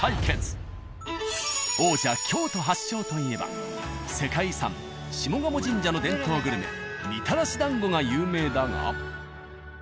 王者・京都発祥といえば世界遺産下鴨神社の伝統グルメみたらし団子が有名だが。